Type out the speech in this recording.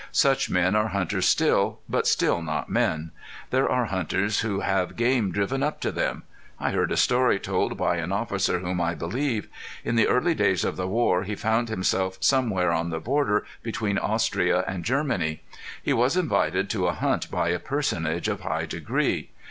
Such men are hunters still, but still not men! There are hunters who have game driven up to them. I heard a story told by an officer whom I believe. In the early days of the war he found himself somewhere on the border between Austria and Germany. He was invited to a hunt by personages of high degree.